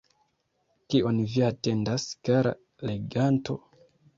Kion Vi atendas, kara leganto?